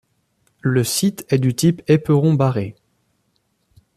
Le site est du type éperon barré.